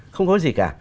không có gì cả